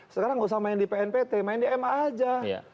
sekarang nggak usah main di pnpt main di ma aja